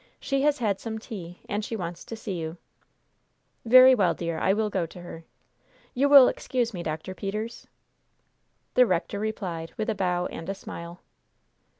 She has had some tea, and she wants to see you." "Very well, dear; I will go to her. You will excuse me, Dr. Peters?" The rector replied with a bow and a smile.